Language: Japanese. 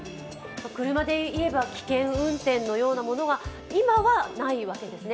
車で言えば危険運転のようなものが今はないわけですね。